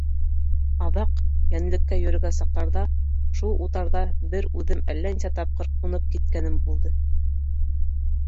Аҙаҡ, йәнлеккә йөрөгән саҡтарҙа, шул утарҙа бер үҙем әллә нисә тапҡыр ҡунып киткәнем булды.